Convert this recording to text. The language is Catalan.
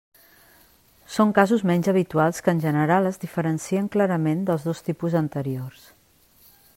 Són casos menys habituals que en general es diferencien clarament dels dos tipus anteriors.